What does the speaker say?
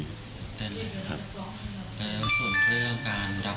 ส่วนเครื่องการดับ